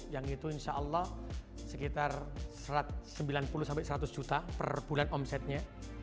yang itu insya allah sekitar sembilan puluh sampai seratus juta per bulan omsetnya